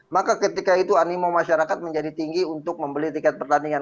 maka ketika itu animo masyarakat menjadi tinggi untuk membeli tiket pertandingan